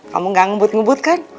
kamu gak ngebut ngebut kan